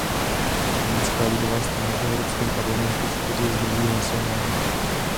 Německá lidová strana v Evropském parlamentu se tedy zdrží hlasování.